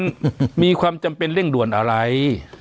มันมีความจำเป็นเร่งด่วนอะไร